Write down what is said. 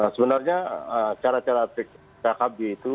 sebenarnya cara cara kkb itu